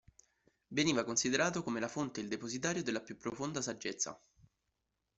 Veniva considerato come la fonte e il depositario della più profonda saggezza.